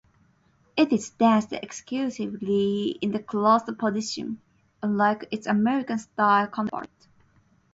It is danced exclusively in the closed position, unlike its American Style counterpart.